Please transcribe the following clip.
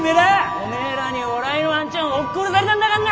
おめえらにおらいのあんちゃんおっ殺されたんだかんな！